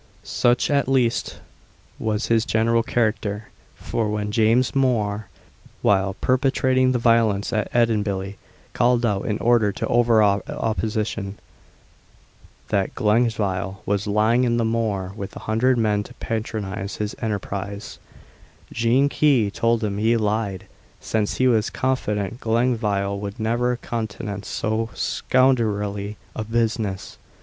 * Such, at least, was his general character; for when James Mhor, while perpetrating the violence at Edinbilly, called out, in order to overawe opposition, that Glengyle was lying in the moor with a hundred men to patronise his enterprise, Jean Key told him he lied, since she was confident Glengyle would never countenance so scoundrelly a business.